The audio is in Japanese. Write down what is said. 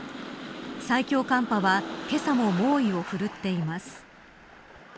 最強寒波はけさも猛威を振るっています。